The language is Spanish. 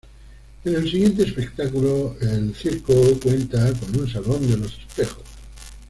En el siguiente espectáculo, el circo cuenta con un salón de los espejos.